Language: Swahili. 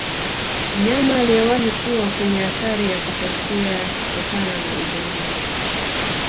mnyama aliyewahi kuwa kwenye hatari ya kupotea kutokana na ujangili